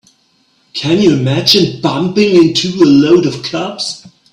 Can you imagine bumping into a load of cops?